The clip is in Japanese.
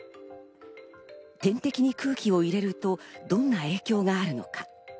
点滴に空気を入れると、どんな影響があるのか？